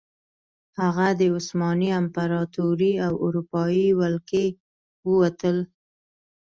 هغه د عثماني امپراتورۍ او اروپايي ولکې ووتل.